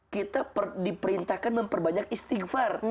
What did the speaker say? kita diperintahkan memperbanyak istighfar